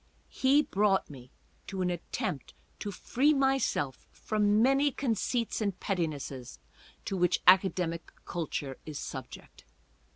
He brought me to at tempt to free myself from many conceits and pettinesses to which academical culture is subject.